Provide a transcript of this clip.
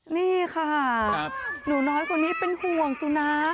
นี่ค่ะหนูน้อยคนนี้เป็นห่วงสุนัข